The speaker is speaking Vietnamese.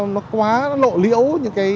nó quá lộ liễu